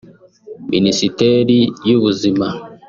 Minisiteri y’Ubuzima